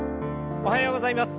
おはようございます。